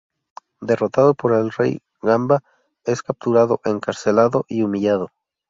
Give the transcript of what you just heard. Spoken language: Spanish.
Derrotado por el rey Wamba, es capturado, encarcelado y humillado.